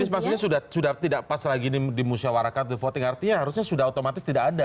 jadi maksudnya sudah tidak pas lagi ini dimusyawarahkan di voting artinya harusnya sudah otomatis tidak ada